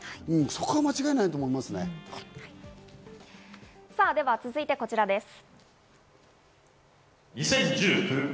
そこは間違続いてこちらです。